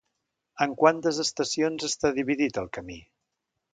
En quantes estacions està dividit el camí?